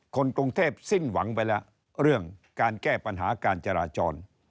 คนกรุงเทพสิ้นหวังไปแล้วเรื่องการแก้ปัญหาการจราจร